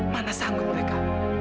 mana sanggup mereka